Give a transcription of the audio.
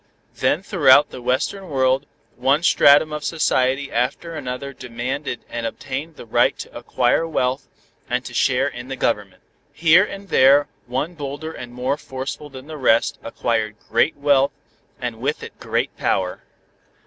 Then throughout the Western world one stratum of society after another demanded and obtained the right to acquire wealth and to share in the government. Here and there one bolder and more forceful than the rest acquired great wealth and with it great power.